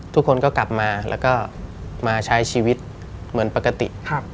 ทุกคนก็กลับมาแล้วก็มาใช้ชีวิตเหมือนปกติ